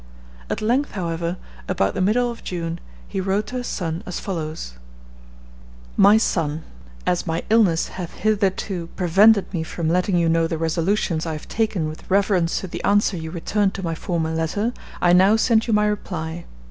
At length, however, about the middle of June, he wrote to his son as follows: "MY SON, As my illness hath hitherto prevented me from letting you know the resolutions I have taken with reference to the answer you returned to my former letter, I now send you my reply.